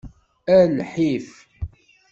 A lḥif.